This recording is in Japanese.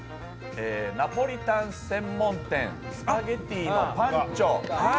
ナポリタン専門店・スパゲッティーのパンチョ。